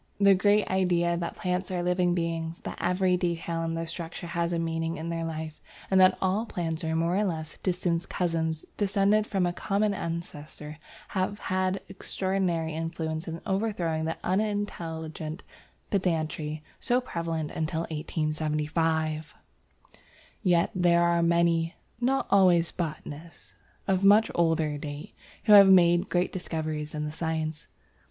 The great ideas that plants are living beings, that every detail in their structure has a meaning in their life, and that all plants are more or less distant cousins descended from a common ancestor, have had extraordinary influence in overthrowing the unintelligent pedantry so prevalent until 1875. Yet there were many, not always botanists, of much older date, who made great discoveries in the science.